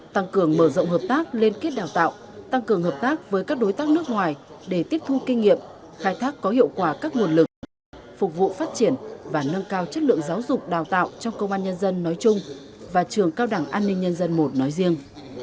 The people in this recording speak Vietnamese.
tăng cường mở rộng hợp tác liên kết đào tạo tăng cường hợp tác với các đối tác nước ngoài để tiếp thu kinh nghiệm khai thác có hiệu quả các nguồn lực phục vụ phát triển và nâng cao chất lượng giáo dục đào tạo trong công an nhân dân nói chung và trường cao đẳng an ninh nhân dân i nói riêng